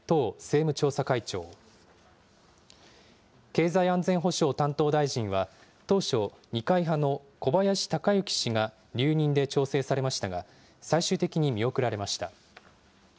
経済安全保障担当大臣は当初、二階派の小林鷹之氏が留任で調整されましたが、最終的に見送られました。